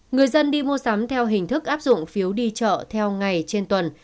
người dân đi mua sắm theo hình thức áp dụng phiếu đi chợ theo ngày trên tuần